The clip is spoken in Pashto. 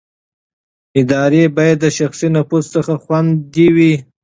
ادارې باید د شخصي نفوذ څخه خوندي وي